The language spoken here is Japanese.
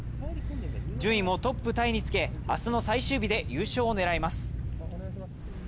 順位もトップタイにつけ明日の最終日で優勝を狙います。